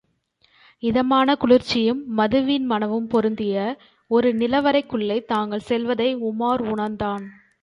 இதமான குளிர்ச்சியும், மதுவின் மணமும் பொருந்திய ஒரு நிலவறைக் குள்ளே தாங்கள் செல்வதை உமார் உணர்ந்தான்.